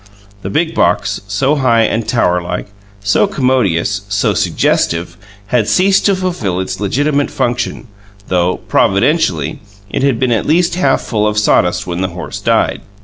The big box, so high and towerlike, so commodious, so suggestive, had ceased to fulfil its legitimate function; though, providentially, it had been at least half full of sawdust when the horse died.